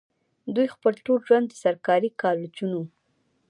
دوي خپل ټول ژوند د سرکاري کالجونو